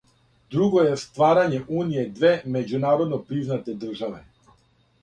Друго је стварање уније две међународно признате државе.